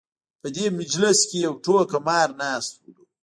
په دې مجلس کې یو ټوکه مار ناست و.